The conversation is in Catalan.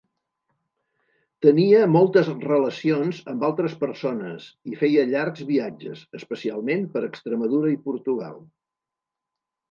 Tenia moltes relacions amb altres persones i feia llargs viatges, especialment per Extremadura i Portugal.